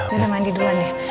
udah mandi duluan ya